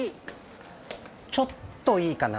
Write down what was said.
ちょっといいかな。